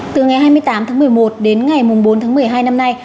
từ ngày hai mươi tám tháng một mươi một đến ngày bốn tháng một mươi hai năm nay